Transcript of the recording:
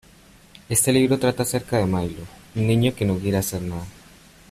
Este libro trata acerca de Milo, un niño que no quiere hacer nada.